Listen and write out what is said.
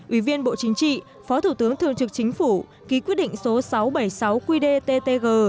ủy viên bộ chính trị phó thủ tướng thường trực chính phủ ký quyết định số sáu trăm bảy mươi sáu qdttg